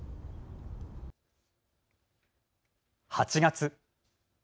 ８月。